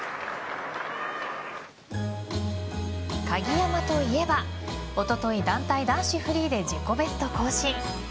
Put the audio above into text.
鍵山といえばおととい団体男子フリーで自己ベスト更新。